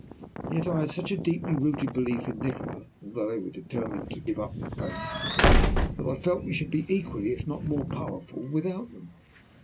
And yet I had such a deeply rooted belief in Nikola that, although they were determined to give up the case, I felt we should still be equally, if not more, powerful without them.